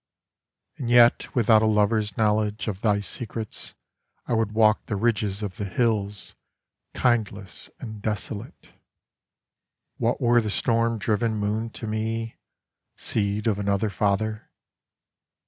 And yet without a lover's knowledgeOf thy secretsI would walk the ridges of the hills, Kindless and desolate. What were the storm driven moon to me, Seed of another father?